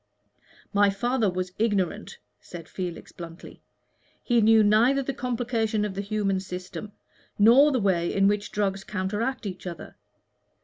"My father was ignorant," said Felix, bluntly. "He knew neither the complication of the human system, nor the way in which drugs counteract each other.